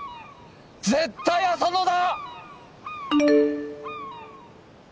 絶対浅野だ！